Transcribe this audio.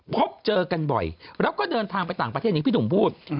พบเจอกันบ่อยแล้วก็เดินทางไปต่างประเทศอย่างพี่หนุ่มพูด